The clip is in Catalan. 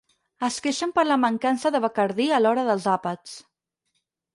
Es queixen per la mancança de Bacardí a l'hora dels àpats.